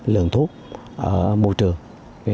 lượng thuốc ở môi trường